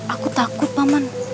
aku takut paman